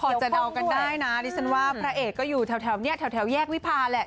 พอจะเดากันได้นะดิฉันว่าพระเอกก็อยู่แถวนี้แถวแยกวิพาแหละ